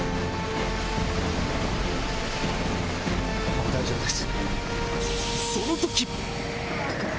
もう大丈夫です。